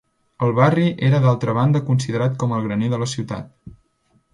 El barri era d'altra banda considerat com el graner de la ciutat.